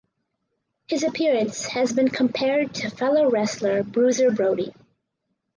His appearance has been compared to fellow wrestler Bruiser Brody.